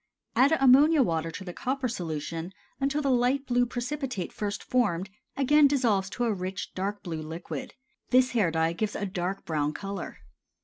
Add ammonia water to the copper solution until the light blue precipitate first formed again dissolves to a rich, dark blue liquid. This hair dye gives a dark brown color.